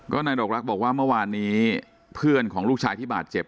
นายดอกรักบอกว่าเมื่อวานนี้เพื่อนของลูกชายที่บาดเจ็บ